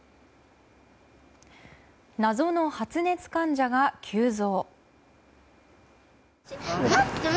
謎の発熱患者が急増。